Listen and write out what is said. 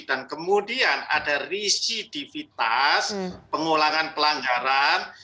kemudian ada risidivitas pengulangan pelanggaran